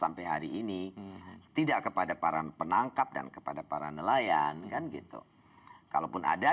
sampai hari ini tidak kepada para penangkap dan kepada para nelayan kan gitu kalaupun ada